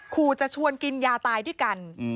ขู่จะชวนกินยาตายด้วยกัน